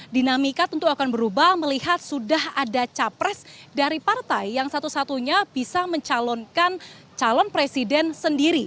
dinamika tentu akan berubah melihat sudah ada capres dari partai yang satu satunya bisa mencalonkan calon presiden sendiri